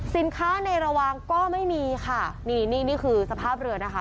สินค้าในระวังก็ไม่มีค่ะนี่คือสภาพเรือนะคะ